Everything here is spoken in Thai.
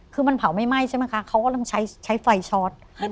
คือมันเผาไม่ไหม้ใช่ไหมคะเขาก็ต้องใช้ไฟชอต